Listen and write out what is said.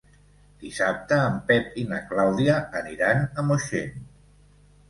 Dissabte en Pep i na Clàudia aniran a Moixent.